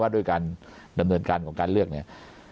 ด้วยการดำเนินการของการเลือกเนี่ย